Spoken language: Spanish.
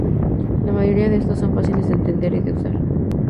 La mayoría de estos son fáciles de entender y de usar.